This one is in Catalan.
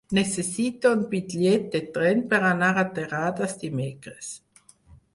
Necessito un bitllet de tren per anar a Terrades dimecres.